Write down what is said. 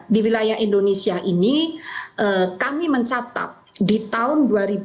di wilayah indonesia ini kami mencatat di tahun dua ribu dua puluh